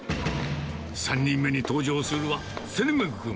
３人目に登場するのは、ツェルメグ君。